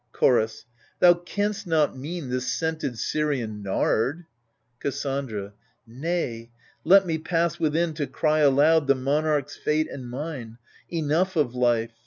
Chorus Thou canst not mean this scented Syrian nard ?^ Cassandra Nay, let me pass within to cry aloud The monarch's fate and mine — enough of life.